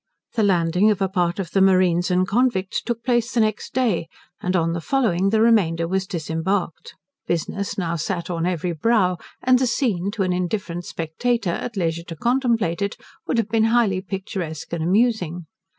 The landing of a part of the marines and convicts took place the next day, and on the following, the remainder was disembarked. Business now sat on every brow, and the scene, to an indifferent spectator, at leisure to contemplate it, would have been highly picturesque and amusing.